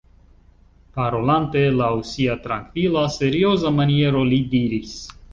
Parolante laŭ sia trankvila, serioza maniero, li diris: